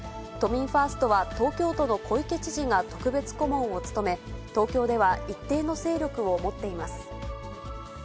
都民ファーストは、東京都の小池知事が特別顧問を務め、東京では一定の勢力を持っています。